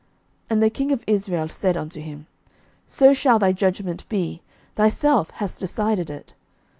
And the king of Israel said unto him, So shall thy judgment be; thyself hast decided it.